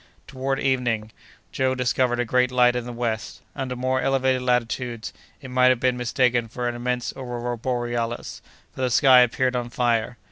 Toward evening, Joe discovered a great light in the west. Under more elevated latitudes, it might have been mistaken for an immense aurora borealis, for the sky appeared on fire.